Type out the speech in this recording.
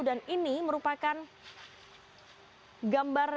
dan ini merupakan gambar